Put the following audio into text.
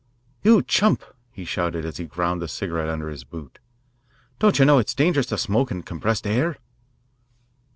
"You chump!" he shouted as he ground the cigarette under his boot. "Don't you know it is dangerous to smoke in compressed air?"